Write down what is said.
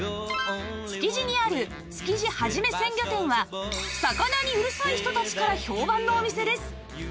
築地にある築地はじめ鮮魚店は魚にうるさい人たちから評判のお店です